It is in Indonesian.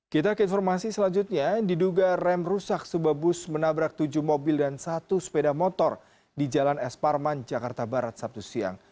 kita ke informasi selanjutnya diduga rem rusak sebab bus menabrak tujuh mobil dan satu sepeda motor di jalan es parman jakarta barat sabtu siang